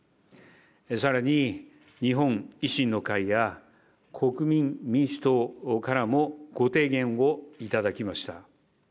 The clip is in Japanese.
さらに、日本維新の会や国民民主党からもご提言をいただきました。